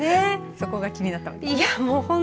そこが気になったわけですね。